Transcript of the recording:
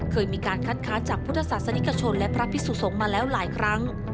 เคยมีการคัดค้านจากพุทธศาสนิกชนและพระพิสุสงฆ์มาแล้วหลายครั้ง